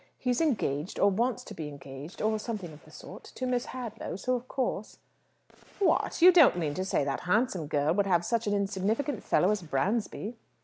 He's engaged, or wants to be engaged, or something of the sort, to Miss Hadlow, so of course " "What? You don't mean to say that handsome girl would have such an insignificant fellow as Bransby?"